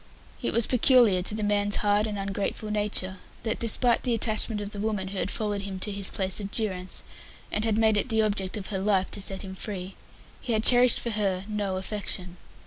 It was peculiar to the man's hard and ungrateful nature that, despite the attachment of the woman who had followed him to his place of durance, and had made it the object of her life to set him free, he had cherished for her no affection.